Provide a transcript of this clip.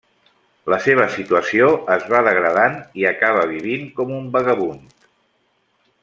La seva situació es va degradant i acaba vivint com un vagabund.